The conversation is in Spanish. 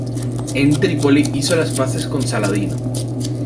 En Tripoli hizo las paces con Saladino.